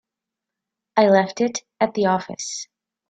I left it at the office.